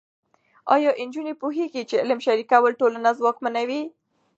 ایا نجونې پوهېږي چې علم شریکول ټولنه ځواکمنوي؟